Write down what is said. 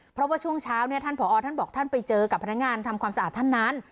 เพราะว่าช่วงเช้าท่านผอท่านบอกท่านไปเจอกับพนักงานทำความสะอาดท่านนั้น